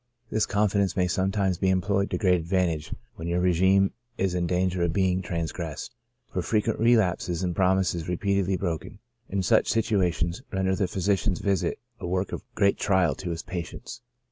... This confidence may sometimes be employed to great advantage v^hen your regimen is in danger of being transgressed, for frequent relapses and promises repeatedly broken will, in such situations, render the physician's visits a v^ork of great trial to his patience.